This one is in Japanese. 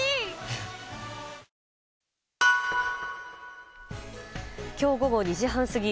え．．．今日午後２時半過ぎ